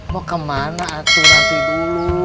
mau kemana aturan nanti dulu